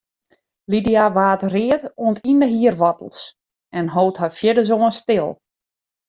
Lydia waard read oant yn de hierwoartels en hold har fierdersoan stil.